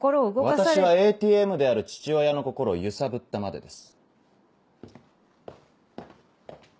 私はＡＴＭである父親の心を揺さぶったまでです。